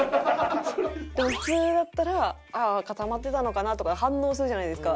でも普通だったら「ああ固まってたのかな」とか反応するじゃないですか。